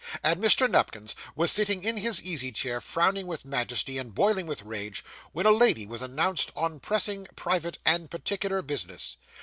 And Mr. Nupkins was sitting in his easy chair, frowning with majesty, and boiling with rage, when a lady was announced on pressing, private, and particular business.